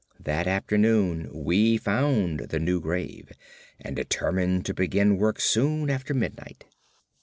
That afternoon we found the new grave, and determined to begin work soon after midnight.